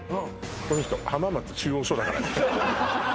この人浜松中央署だからね